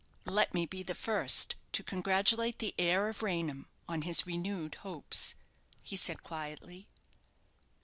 "Let me be the first to congratulate the heir of Raynham on his renewed hopes," he said, quietly.